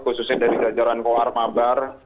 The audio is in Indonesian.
khususnya dari jajaran koar mabar